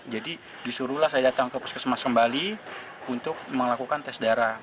jadi disuruhlah saya datang ke puskesmas kembali untuk melakukan tes darah